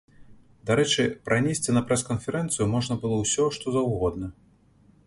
Дарэчы, пранесці на прэс-канферэнцыю можна было ўсё, што заўгодна.